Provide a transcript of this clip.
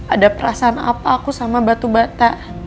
ada perasaan apa aku sama batu bata